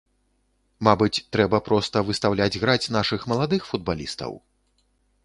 Мабыць, трэба проста выстаўляць граць нашых маладых футбалістаў?